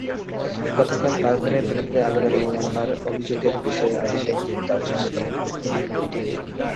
গতকাল বার্গম্যানের বিরুদ্ধে আদালত অবমাননার অভিযোগের বিষয়ে আদেশের দিন ধার্য ছিল।